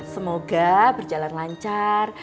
semoga berjalan lancar